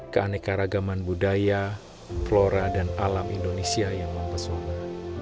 keanekaragaman budaya flora dan alam indonesia yang mempesona